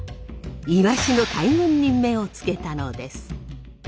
イワシの大群に目をつけたのです。